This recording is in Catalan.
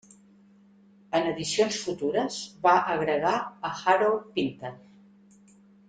En edicions futures, va agregar a Harold Pinter.